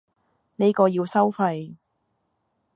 呢個要收費